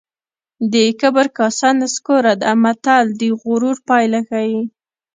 د کبر کاسه نسکوره ده متل د غرور پایله ښيي